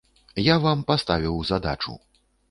Я вам паставіў задачу.